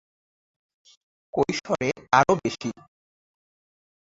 কৈশোরে তারও বেশি!